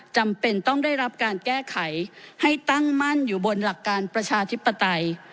จำเป็นต้องได้รับการแก้ไขให้ตั้งมั่นอยู่บนหลักการประชาธิปไตย